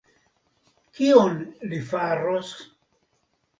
Kion li faros?